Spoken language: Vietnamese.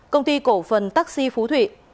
công ty cổ phần taxi phú thụy